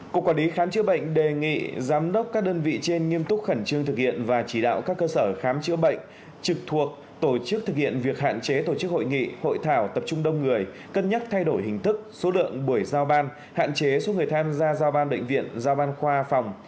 cục quản lý khám chữa bệnh đề nghị giám đốc các đơn vị trên nghiêm túc khẩn trương thực hiện và chỉ đạo các cơ sở khám chữa bệnh trực thuộc tổ chức thực hiện việc hạn chế tổ chức hội nghị hội thảo tập trung đông người cân nhắc thay đổi hình thức số lượng buổi giao ban hạn chế số người tham gia giao ban bệnh viện giao ban khoa phòng